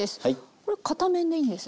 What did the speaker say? これ片面でいいんですね。